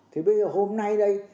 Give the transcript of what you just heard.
thế bây giờ hôm nay đây